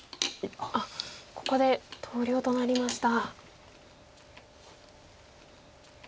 ここで投了となりました。